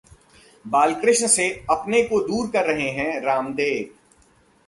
बालकृष्ण से अपने को दूर कर रहे हैं रामदेव!